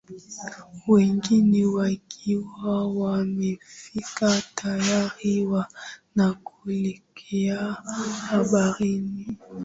Wengine wakiwa wamefika tayari wanakoelekea baharini